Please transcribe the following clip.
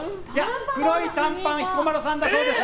黒い短パン彦摩呂さんだそうです。